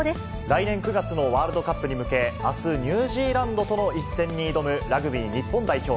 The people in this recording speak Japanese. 来年９月のワールドカップに向け、あす、ニュージーランドとの一戦に挑むラグビー日本代表。